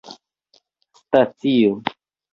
stacio